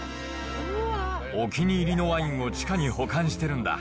お気に入りのワインを地下に保管してるんだ。